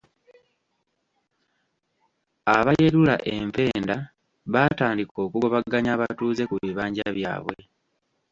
Abayerula empenda baatandika okugobaganya abatuuze ku bibanja byabwe